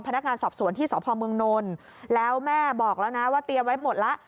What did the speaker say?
พนักงานสอบสวนที่สพเมืองนนท์แล้วแม่บอกแล้วนะว่าเตรียมไว้หมดแล้ว